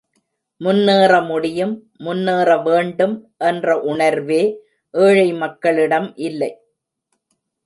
முன்னேற முடியும், முன்னேறவேண்டும் என்ற உணர்வே ஏழை மக்களிடம் இல்லை!